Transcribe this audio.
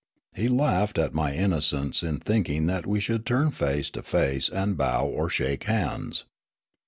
He laughed at my innocence in thinking that we should turn face to face and bow or shake hands.